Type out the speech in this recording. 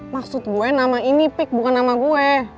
maksud gue nama ini pik bukan nama gue